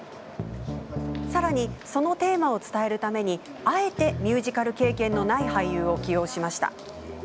さらにそのテーマを伝えるためにあえてミュージカル経験のない俳優を起用しました。